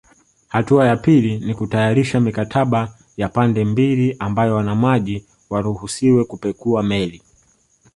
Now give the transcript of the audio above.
Hatua ya pili ni kutayarisha mikataba ya pande mbili ambayo wanamaji waruhusiwe kupekua meli